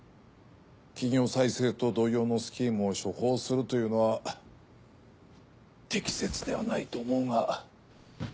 企業再生と同様のスキームを処方するというのは適切ではないと思うが。